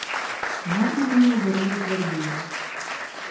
Гарна мені оборона твердині.